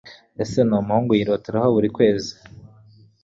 ese numuhungu yiroteraho burikwezi